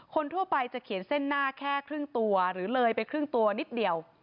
คนทั่วไปจะเขียนเส้นหน้าแค่ครึ่งตัวหรือเลยไปครึ่งตัวนิดเดียว